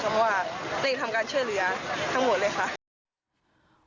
เพราะว่าเร่งทำการช่วยเหลือทั้งหมดเลยค่ะ